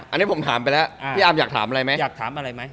อันนี้ผมถามไปแล้วพี่อาพอยากถามอะไรมั้ย